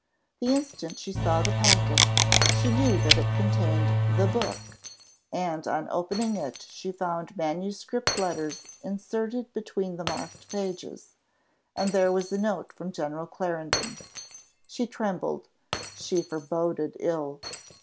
The instant she saw the packet she knew that it contained the book; and on opening it she found manuscript letters inserted between the marked pages, and there was a note from General Clarendon. She trembled she foreboded ill.